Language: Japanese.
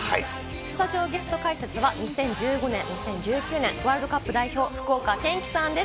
スタジオゲスト解説は２０１５年・２０１９年ワールドカップ代表、福岡堅樹さんです。